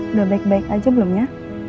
udah baik baik aja belum ya